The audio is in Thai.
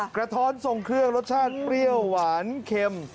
กระท้อนทรงเครื่องรสชาติเปรี้ยวหวานเค็ม